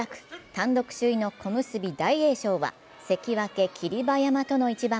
単独首位の小結・大栄翔は関脇・霧馬山との一番。